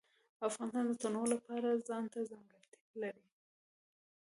افغانستان د تنوع د پلوه ځانته ځانګړتیا لري.